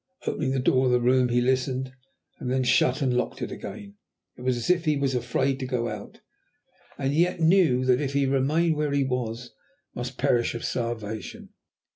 Opening the door of the room he listened, and then shut and locked it again. It was as if he were afraid to go out, and yet knew that if he remained where he was, he must perish of starvation.